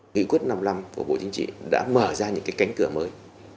nghị quyết năm năm của bộ chính trị đã mở ra những cánh cửa mới